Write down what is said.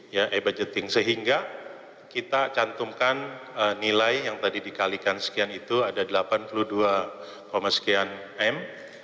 ya e budgeting sehingga kita cantumkan nilai yang tadi dikalikan sekian itu ada delapan puluh dua sekian m